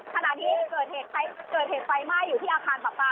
ขณะที่เกิดเหตุไฟไหม้อยู่ที่อาคารปรับปลา